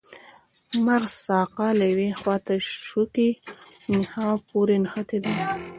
د مغز ساقه له یوې خواته شوکي نخاع پورې نښتې ده.